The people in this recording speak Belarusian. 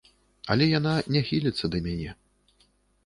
Але яна не хіліцца да мяне.